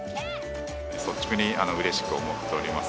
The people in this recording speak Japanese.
率直にうれしく思っております。